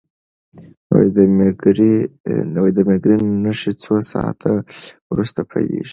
د مېګرین نښې څو ساعته وروسته پیلېږي.